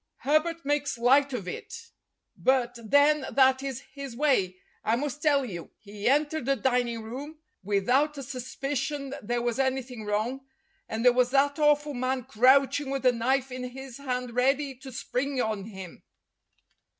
Herbert makes light of it, but then that is his way. I must tell you, he entered the dining room without a suspicion there was anything wrong, and there was that awful man crouching with a knife in his hand ready to spring on him.